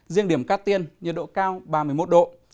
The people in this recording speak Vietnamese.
riêng điểm cát tiên nhiệt độ cao ba mươi một độ